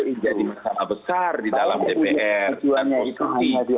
akan menjadi masalah besar di dalam dpr dan politik